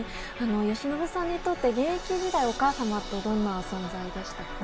由伸さんにとって現役時代お母様はどんな存在でしたか？